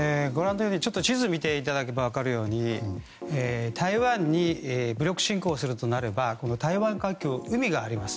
地図を見ていただくと分かるように台湾に武力侵攻するとなればこの台湾海峡、海があります。